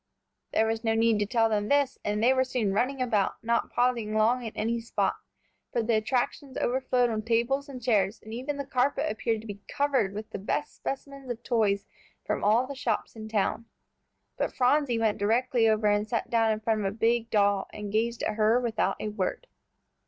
There was no need to tell them this, and they were soon running about, not pausing long in any spot, for the attractions overflowed on tables and chairs, and even the carpet appeared to be covered with the best specimens of toys from all the shops in town. But Phronsie went directly over and sat down in front of a big doll, and gazed at her without a word.